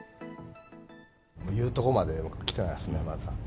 言うところまできてないですね、まだ。